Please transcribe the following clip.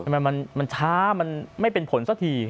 มันช้ามันไม่เป็นผลสักที